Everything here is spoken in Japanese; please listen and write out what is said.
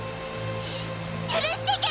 許してけろ！